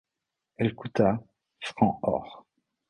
Elle coûta francs or.